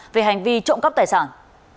về hành vi trộm cắp tài sản